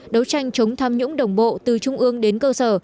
đấu tranh chống tham nhũng đồng bộ từ trung ương đến cơ sở